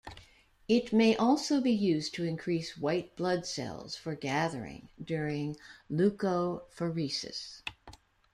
It may also be used to increase white blood cells for gathering during leukapheresis.